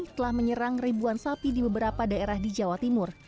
telah menyerang ribuan sapi di beberapa daerah di jawa timur